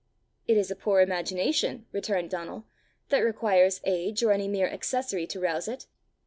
"It is a poor imagination," returned Donal, "that requires age or any mere accessory to rouse it.